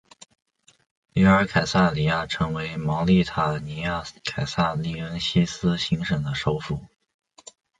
约尔凯撒里亚成为茅利塔尼亚凯撒利恩西斯行省的首府。